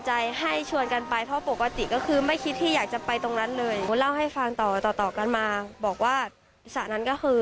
อ้าวไปฟังน้องก่อน